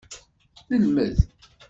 Nelmed.